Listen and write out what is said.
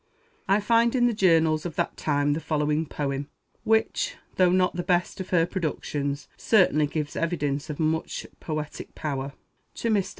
I find in the journals of that time the following poem, which, though not the best of her productions, certainly gives evidence of much poetic power: TO MR.